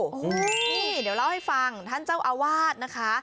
นี่เดี๋ยวเล่าให้ฟังท่านเจ้าอาวาสนะคะ